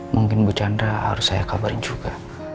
mungkin bu chandra harus saya kabarin juga